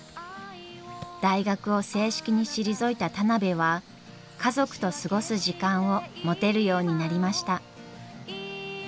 大学を正式に退いた田邊は家族と過ごす時間を持てるようになりました。